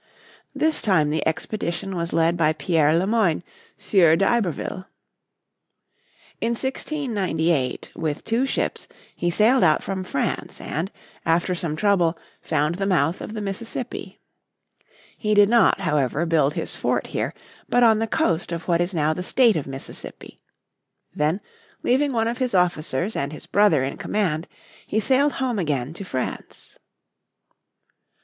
This time the expedition was led by Pierre Le Moyne, Sieur d'Iberville. In 1698 with two ships he sailed out from France and, after some trouble, found the mouth of the Mississippi. He did not, however, build his fort here, but on the coast of what is now the State of Mississippi. Then, leaving one of his officers and his brother in command, he sailed home again to France.